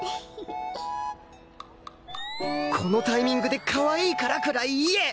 このタイミングで「かわいいから」くらい言え！